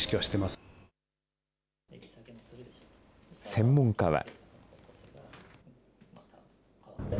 専門家は。